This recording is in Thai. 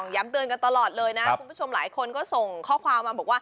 ย้ำเตือนกันตลอดเลยนะคุณผู้ชมหลายคนก็ส่งข้อความมาบอกว่า